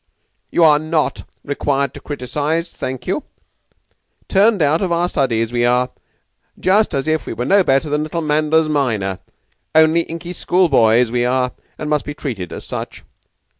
"You are not required to criticise, thank you. Turned out of our studies, we are, just as if we were no better than little Manders minor. Only inky schoolboys we are, and must be treated as such."